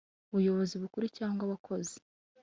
buyobozi bukuru cyangwa abakozi